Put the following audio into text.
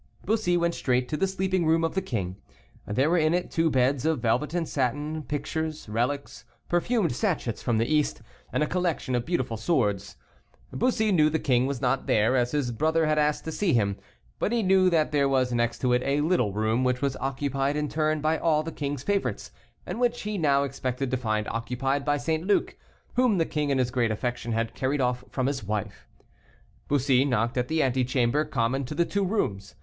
Bussy went straight to the sleeping room of the king. There were in it two beds of velvet and satin, pictures, relics, perfumed sachets from the East, and a collection of beautiful swords. Bussy knew the king was not there, as his brother had asked to see him, but he knew that there was next to it a little room which was occupied in turn by all the king's favorites, and which he now expected to find occupied by St. Luc, whom the king in his great affection had carried off from his wife. Bussy knocked at the antechamber common to the two rooms.